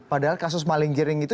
padahal kasus maling jering itu